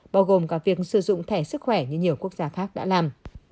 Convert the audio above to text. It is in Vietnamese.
bao gồm cả việc sử dụng thẻ sức khỏe như nhiều quốc gia khác đã làm